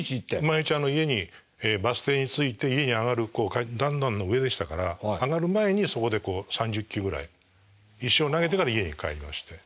毎日家にバス停に着いて家に上がる段々の上でしたから上がる前にそこで３０球ぐらい石を投げてから家に帰りまして。